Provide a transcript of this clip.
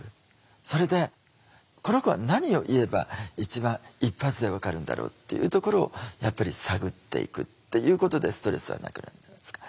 それでこの子は何を言えば一番一発で分かるんだろうっていうところをやっぱり探っていくっていうことでストレスはなくなるじゃないですか。